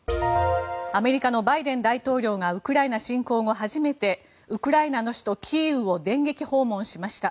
アメリカのバイデン大統領がウクライナ侵攻後初めてウクライナの首都キーウを電撃訪問しました。